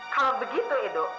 kalau begitu edo